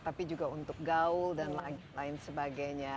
tapi juga untuk gaul dan lain sebagainya